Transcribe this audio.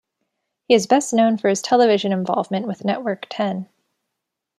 He is best known for his television involvement with Network Ten.